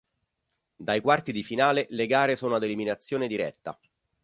Dai quarti di finale le gare sono ad eliminazione diretta.